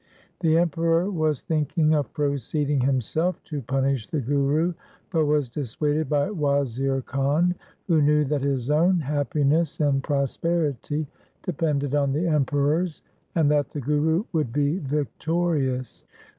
The Emperor was thinking of proceeding himself to punish the Guru, but was dissuaded by Wazir Khan, who knew that his own happiness and pros perity depended on the Emperor's, and that the Guru would be victorious.